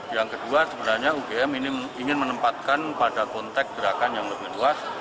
yang kedua sebenarnya ugm ini ingin menempatkan pada konteks gerakan yang lebih luas